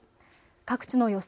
各地の予想